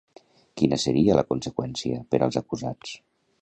Quina seria la conseqüència per als acusats?